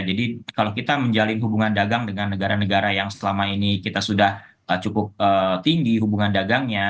jadi kalau kita menjalin hubungan dagang dengan negara negara yang selama ini kita sudah cukup tinggi hubungan dagangnya